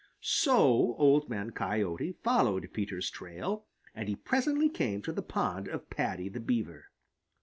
So Old Man Coyote followed Peter's trail, and he presently came to the pond of Paddy the Beaver.